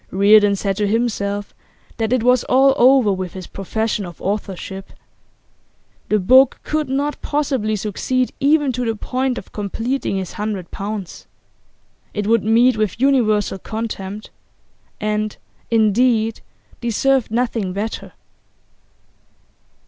Reardon said to himself that it was all over with his profession of authorship. The book could not possibly succeed even to the point of completing his hundred pounds; it would meet with universal contempt, and indeed deserved nothing better.